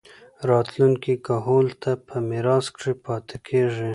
راتلونکي کهول ته پۀ ميراث کښې پاتې کيږي